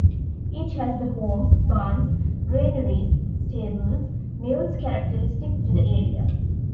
Each has the homes, barns, granaries, stables, mills characteristic to the area.